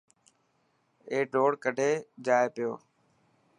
اي ڊوڙ ڪڍي جائي پيو.